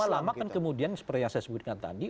lama lama kan kemudian seperti yang saya sebutkan tadi